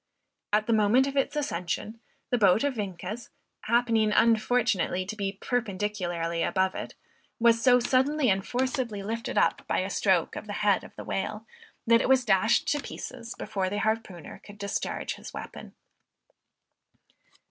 At the moment of its ascension, the boat of Vienkes happening unfortunately to be perpendicularly above it, was so suddenly and forcibly lifted up by a stroke of the head of the whale, that it was dashed to pieces before the harpooner could discharge his weapon.